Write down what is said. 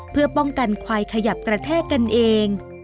เพื่อป้องกันควายขยับกระแทกกันเอง